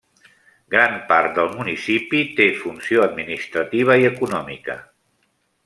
Gran part del municipi té funció administrativa i econòmica.